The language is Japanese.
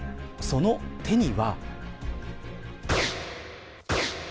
その手には。